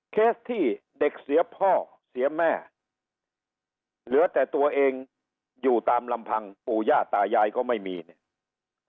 เคสที่เด็กเสียพ่อเสียแม่เหลือแต่ตัวเองอยู่ตามลำพังปู่ย่าตายายก็ไม่มีเนี่ย